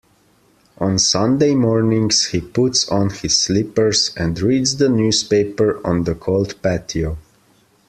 On Sunday mornings, he puts on his slippers and reads the newspaper on the cold patio.